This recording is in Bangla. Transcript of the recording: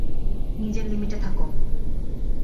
নিজের লিমিটে থাক!